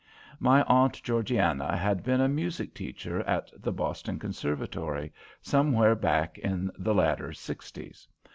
My Aunt Georgiana had been a music teacher at the Boston Conservatory, somewhere back in the latter sixties.